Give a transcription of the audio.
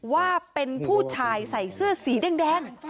ว่าเป็นผู้ชายใส่เสื้อสีแดง